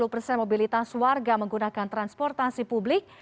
dua puluh persen mobilitas warga menggunakan transportasi publik